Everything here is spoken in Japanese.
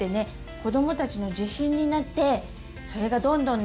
子どもたちの自信になってそれがどんどんね